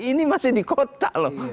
ini masih di kota loh